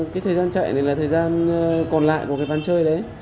cái thời gian chạy này là thời gian còn lại của cái văn chơi đấy